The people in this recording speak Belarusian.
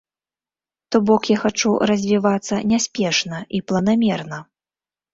То бок я хачу развівацца няспешна і планамерна.